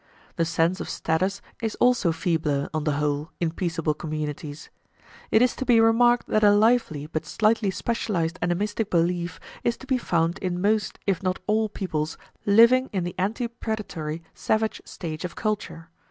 The sense of status is also feebler; on the whole, in peaceable communities. It is to be remarked that a lively, but slightly specialized, animistic belief is to be found in most if not all peoples living in the ante predatory, savage stage of culture.